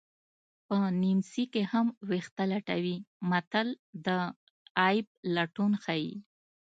په نیمڅي کې هم ویښته لټوي متل د عیب لټون ښيي